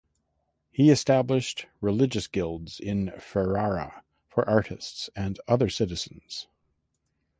He established religious guilds in Ferrara for artists and other citizens.